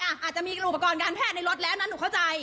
อาจจะมีอุปกรณ์การแพทย์ในรถแล้วนะหนูเข้าใจ